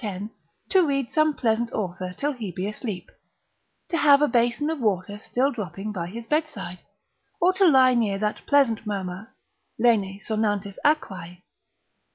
to read some pleasant author till he be asleep, to have a basin of water still dropping by his bedside, or to lie near that pleasant murmur, lene sonantis aquae.